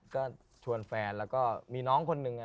ก็ชวนแฟนแล้วก็มีน้องคนหนึ่ง